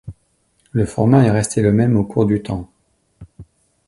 Le format est resté le même au cours du temps.